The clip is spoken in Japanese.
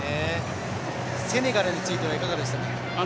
セネガルについてはいかがでしたか？